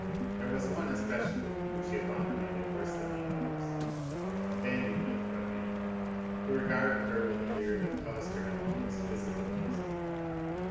There was one especially whom she abominated worse than the others, a bandy legged ruffian, who regarded her with a leer that caused her an almost physical nausea.